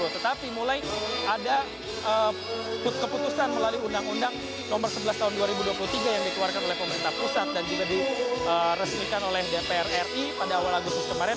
tetapi mulai ada keputusan melalui undang undang nomor sebelas tahun dua ribu dua puluh tiga yang dikeluarkan oleh pemerintah pusat dan juga diresmikan oleh dpr ri pada awal agustus kemarin